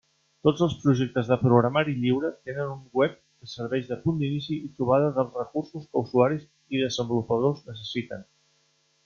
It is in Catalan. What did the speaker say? Tots els projectes de programari lliure tenen un web que serveix de punt d'inici i trobada dels recursos que usuaris i desenvolupadors necessiten.